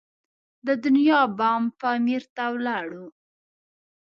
د دنیا بام پامیر ته ولاړو.